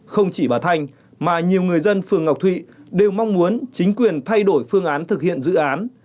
không chỉ bà thanh mà nhiều người dân phường ngọc thụy đều mong muốn chính quyền thay đổi phương án thực hiện dự án